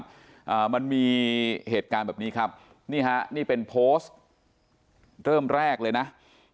อ่ามันมีเหตุการณ์แบบนี้ครับนี่ฮะนี่เป็นโพสต์เริ่มแรกเลยนะ